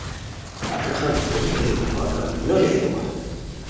ادراخان پورونیرو مگم نو لیرو